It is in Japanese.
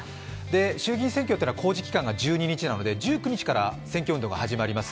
衆議院選挙は公示期間が１２日なので１９日から選挙運動が始まります。